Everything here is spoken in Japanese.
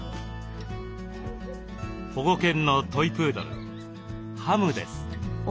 保護犬のトイ・プードル「ハム」です。